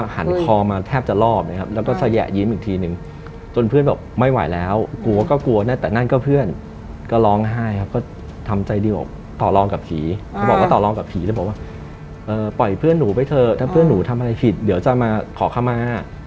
หมอตอบรองกับผีแล้วบอกว่าปล่อยเพื่อนหนูไปเถอะถ้าเพื่อนหนูทำอะไรผิดเดี๋ยวจะมาขอเข้ามา